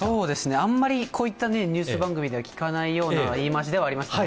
あまりこういったニュース番組では聞かない言い回しでしたね。